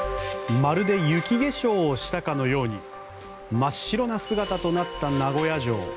まるで雪化粧をしたかのように真っ白な姿となった名古屋城。